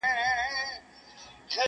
صبر ته د سترګو مي مُغان راسره وژړل!!